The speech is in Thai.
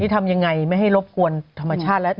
ทำยังไงไม่ให้รบกวนธรรมชาติแล้ว